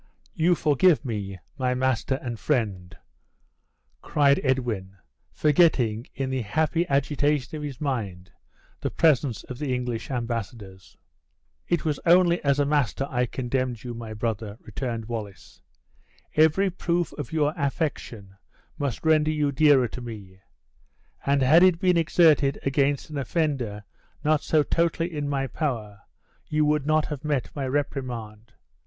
"You forgive me, my master and friend?" cried Edwin, forgetting, in the happy agitation of his mind, the presence of the English embassadors. "It was only as a master I condemned you, my brother," returned Wallace; "every proof of your affection must render you dearer to me; and had it been exerted against an offender not so totally in my power, you would not have met my reprimand.